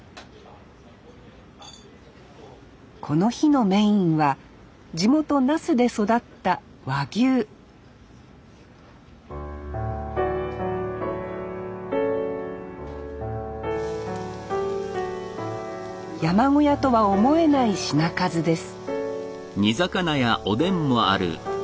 この日のメインは地元那須で育った和牛山小屋とは思えない品数です